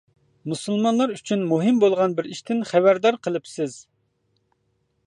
مۇسۇلمانلار ئۈچۈن مۇھىم بولغان بىر ئىشتىن خەۋەردار قىلىپسىز!